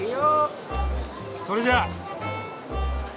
それじゃ！